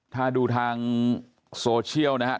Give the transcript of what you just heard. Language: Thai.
ถ้าดูทางโซเชียลนะครับ